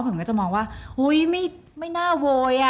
ผมก็จะมองว่าเฮ้ยไม่น่าโวย